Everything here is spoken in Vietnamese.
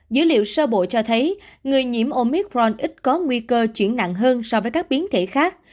dữ liệu sơ bộ cho thấy người nhiễm omicron ít có nguy cơ chuyển nặng hơn so với các biến thể khác